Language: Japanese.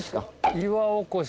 岩おこし。